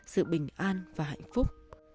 sự bình an và hạnh phúc